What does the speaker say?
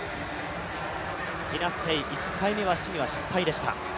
ティナ・ステイ、１回目は試技は失敗でした。